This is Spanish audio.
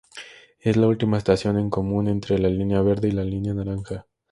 Es la última estación en común entre la Línea Verde y la Línea Naranja.